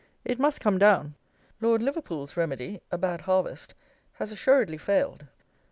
It must come down. Lord Liverpool's remedy, a bad harvest, has assuredly failed.